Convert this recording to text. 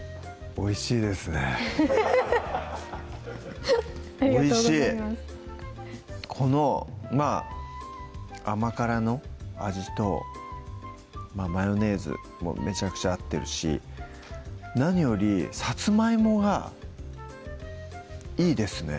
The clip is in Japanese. おいしいありがとうございますこのまぁ甘辛の味とマヨネーズもめちゃくちゃ合ってるし何よりさつまいもがいいですね